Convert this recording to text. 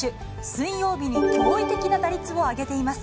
水曜日に驚異的な打率を挙げています。